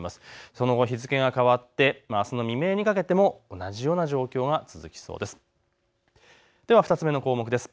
その後、日付が変わってあすの未明にかけても同じような状況が続きそうです。